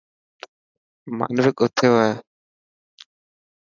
مانوڪ اٿيو هو.